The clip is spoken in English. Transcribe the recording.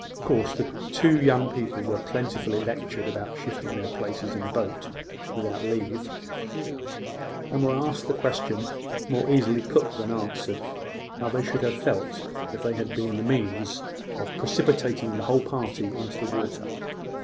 Of course, the two young people were plentifully lectured about shifting their places in a boat without leave, and were asked the question, more easily put than answered, how they should have felt if they had been the means of precipitating the whole party into the water.